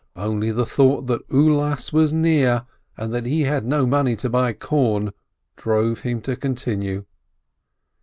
Only the thought that Ulas was near, and that he had no money to buy corn, drove him to continue.